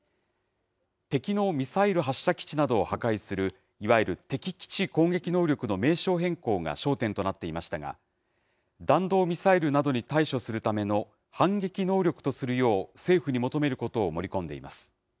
敵のミサイル発射基地などを破壊する、いわゆる敵基地攻撃能力の名称変更が焦点となっていましたが、弾道ミサイルなどに対処するための反撃能力とするよう、政府に求めることを盛り込んでいます。